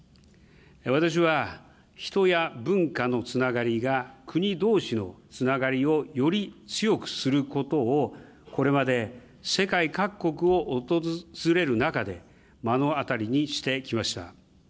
私は人や文化のつながりが国どうしのつながりをより強くすることを、これまで世界各国を訪れる中で、目の当たりにしてきました。